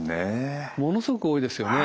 ものすごく多いですよね。